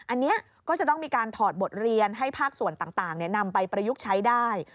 อันนี้ก็จะต้องมีการถอดบทเรียนให้ภาคส่วนต่างนำไปประยุกต์ใช้ได้